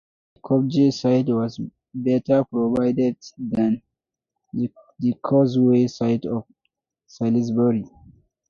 The Kopje side was better provided than the Causeway side of Salisbury.